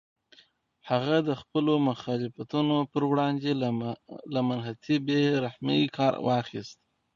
هغه د خپلو مخالفینو پر وړاندې له منتهی بې رحمۍ کار واخیست.